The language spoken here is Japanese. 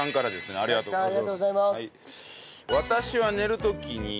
ありがとうございます。